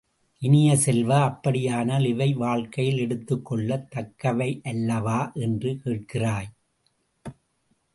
இனிய செல்வ, அப்படியானால் இவை வாழ்க்கையில் எடுத்துக் கொள்ளத் தக்கவையல்லவா என்று கேட்கிறாய்!